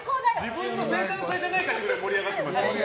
自分の生誕祭じゃないのに盛り上がってましたよ。